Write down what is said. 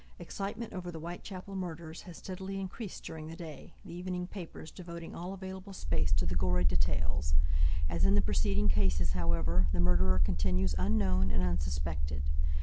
Excitement over the Whitechapel murders has steadily increased during the day, the evening papers devoting all available space to the gory details. As in the preceding cases, however, the murderer continues unknown and unsuspected.